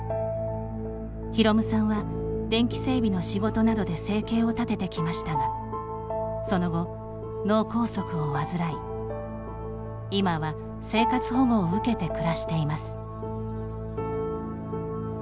滌さんは、電気整備の仕事などで生計を立ててきましたがその後、脳梗塞を患い今は生活保護を受けて暮らしています。